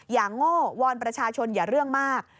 โง่วอนประชาชนอย่าเรื่องมาก